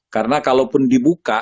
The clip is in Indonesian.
karena kalau pun dibuka